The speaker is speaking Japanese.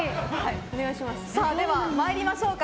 では、参りましょうか。